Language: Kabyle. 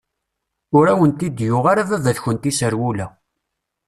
Ur awent-d-yuɣ ara baba-tkent iserwula.